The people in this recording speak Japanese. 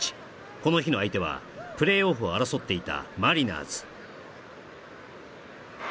この日の相手はプレーオフを争っていた